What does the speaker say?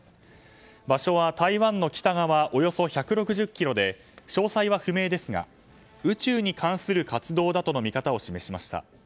場所は台湾の北側およそ１６０ｋｍで詳細は不明ですが宇宙に関する活動だとの見方を示しました。